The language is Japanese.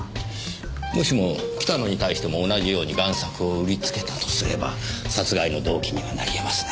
もしも北野に対しても同じように贋作を売りつけたとすれば殺害の動機にはなりえますね。